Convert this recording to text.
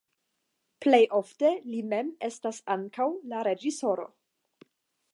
Plej ofte li mem estas ankaŭ la reĝisoro.